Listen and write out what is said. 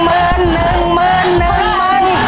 หนึ่งหมื่นหนึ่งหมื่นหนึ่งหมื่นหนึ่งหมื่นหนึ่งหมื่น